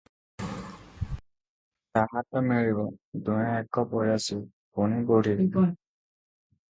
ତାହା ତ ମିଳିବ, ଦୁହେଁ ଏକ ବୟସୀ, ପୁଣି ବୁଢୀ ।